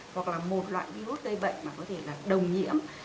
hoặc là một loại virus gây bệnh mà có thể là đồng nhiễm